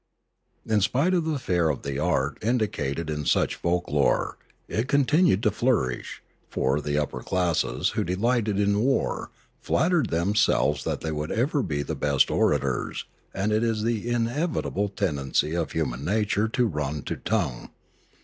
In spite of the fear of the art indicated in such folk lore, it continued to flourish; for the upper classes, who delighted in war, flattered themselves that they would ever be the best orators, and it is the inevitable tendency of human nature to run to tongue.